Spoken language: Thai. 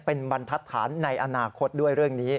เป็นบรรทัศนในอนาคตด้วยเรื่องนี้